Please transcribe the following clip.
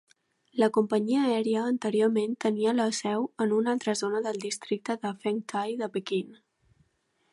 La companyia aèria anteriorment tenia la seu en una altra zona del districte de Fengtai de Pequín.